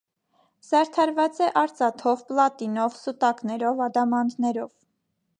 Զարդարված է արծաթով, պլատինով, սուտակներով, ադամանդներով։